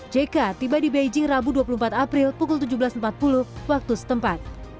jk tiba di beijing rabu dua puluh empat april pukul tujuh belas empat puluh waktu setempat